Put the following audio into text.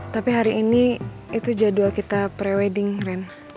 tapi hari ini itu jadwal kita pre wedding ren